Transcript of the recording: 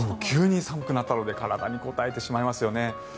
急に寒くなったので体にこたえてしまいますよね。